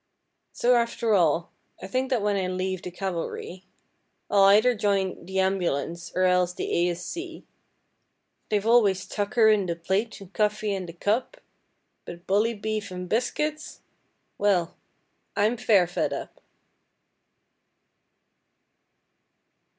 So after all I think that when I leave the Cavalry I'll either join the ambulance or else the A.S.C.; They've always tucker in the plate and coffee in the cup, But Bully Beef and Biscuits well! I'm fair fed up!